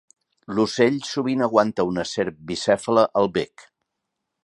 L'ocell sovint aguanta una serp bicèfala al bec.